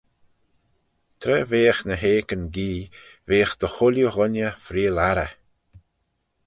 Tra veagh ny hakeyn gee, veagh dy chooilley ghooinney freayll arrey.